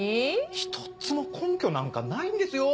１つも根拠なんかないんですよ？